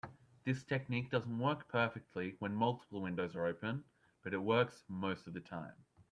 This technique doesn't work perfectly when multiple windows are open, but it works most of the time.